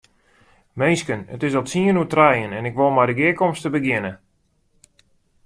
Minsken, it is al tsien oer trijen en ik wol mei de gearkomste begjinne.